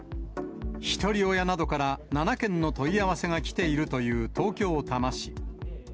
ひとり親などから７件の問い合わせが来ているという東京・多摩市。